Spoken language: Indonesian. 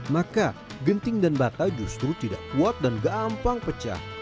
maka genting dan bata justru tidak kuat dan gampang pecah